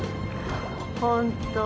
本当。